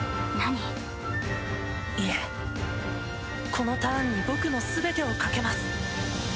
このターンに僕のすべてを懸けます！